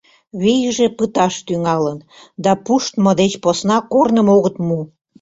Вийже пыташ тӱҥалын, да пуштмо деч посна корным огыт му.